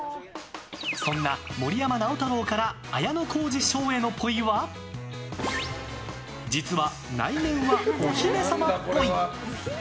そんな森山直太朗から綾小路翔へのぽいは実は内面はお姫さまっぽい。